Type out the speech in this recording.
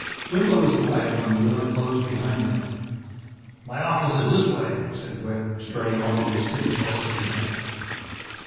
Whitlow was glad when the door closed behind them. "My office is this way," said Webb, striding off in a stiff military manner.